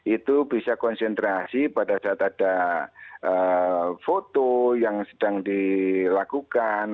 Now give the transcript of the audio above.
itu bisa konsentrasi pada saat ada foto yang sedang dilakukan